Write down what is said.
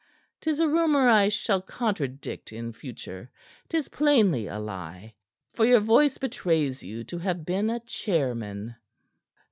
'Tis a rumor I shall contradict in future; 'tis plainly a lie, for your voice betrays you to have been a chairman."